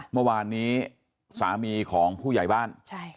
เมื่อวานนี้สามีของผู้ใหญ่บ้าน